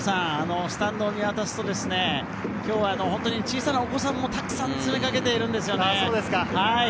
スタンドを見渡すと今日は小さなお子さんもたくさん詰め掛けているんですよね。